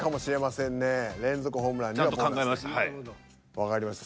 わかりました。